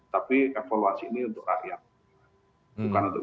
tapi evaluasi ini untuk rakyat